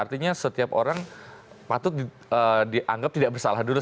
artinya setiap orang patut dianggap tidak bersalah dulu